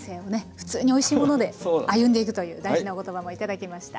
ふつうにおいしいもので歩んでいくという大事なお言葉も頂きました。